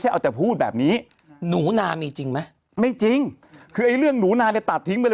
เอาแต่พูดแบบนี้หนูนามีจริงไหมไม่จริงคือไอ้เรื่องหนูนาเนี่ยตัดทิ้งไปเลย